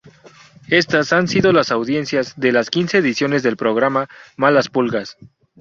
Estas han sido las audiencias de las quince ediciones del programa "Malas pulgas".